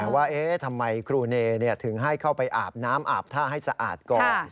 ว่าทำไมครูเนถึงให้เข้าไปอาบน้ำอาบท่าให้สะอาดก่อน